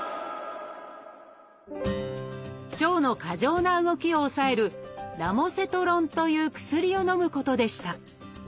腸の過剰な動きを抑える「ラモセトロン」という薬をのむことでした。